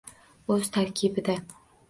O‘z tarkibida: